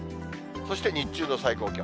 そして日中の最高気温。